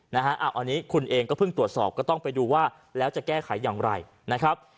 นะฮะอันนี้คุณเองก็เพิ่งตรวจสอบก็ต้องไปดูว่าแล้วจะแก้ไขอย่างไรนะครับ